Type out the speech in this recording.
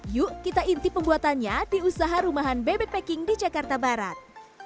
yuk kita intip pembuatannya di usaha rumahan bebek packing di jakarta barat